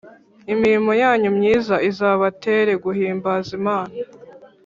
imirimo yanyu myiza izabatere guhimbaza Imana